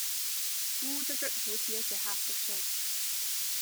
烏卒卒好似一隻黑蟋蟀